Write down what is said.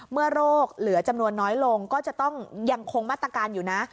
โรคเหลือจำนวนน้อยลงก็จะต้องยังคงมาตรการอยู่นะ